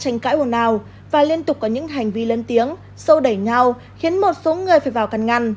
nhưng một thầy throwing virgil mới sang sao